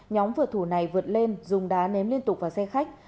nhóm vượt thủ này vượt lên dùng đá nếm liên tục vào xe khách